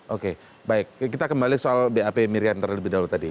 oke baik kita kembali soal bap miriam terlebih dahulu tadi